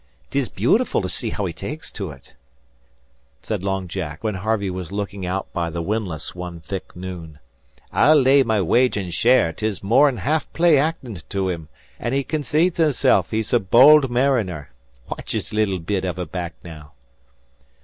"'Tis beautiful to see how he takes to ut," said Long Jack, when Harvey was looking out by the windlass one thick noon. "I'll lay my wage an' share 'tis more'n half play actin' to him, an' he consates himself he's a bowld mariner. Watch his little bit av a back now!"